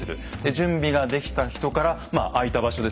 準備ができた人からまあ空いた場所ですよね